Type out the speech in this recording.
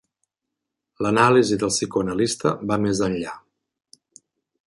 L'anàlisi del psicoanalista va més enllà.